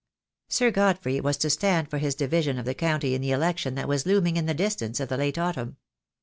Sir Godfrey was to stand for his division of the county I 6 THE DAY WILL COME. in the election that was looming in the distance of the late autumn.